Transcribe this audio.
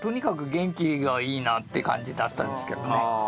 いい出会いだな。って感じだったんですけどね。